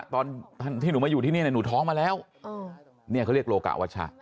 ตอนที่หนูมาอยู่ที่นี่หนูท้องมาแล้วเนี่ยเขาเรียกโลกะวัชชะ